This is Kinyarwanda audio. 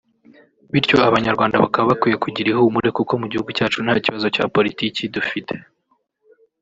Bityo Abanyarwanda bakaba bakwiye kugira ihumure kuko mu gihugu cyacu nta kibazo cya politiki dufite